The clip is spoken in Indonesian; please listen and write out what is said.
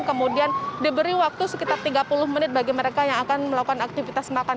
kemudian diberi waktu sekitar tiga puluh menit bagi mereka yang akan melakukan aktivitas makan